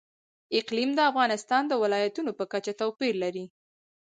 اقلیم د افغانستان د ولایاتو په کچه توپیر لري.